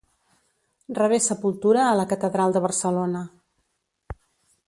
Rebé sepultura a la Catedral de Barcelona.